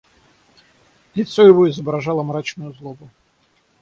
Лицо его изображало мрачную злобу.